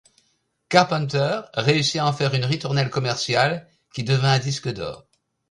Carpenter réussit à en faire une ritournelle commerciale, qui devint un disque d'Or.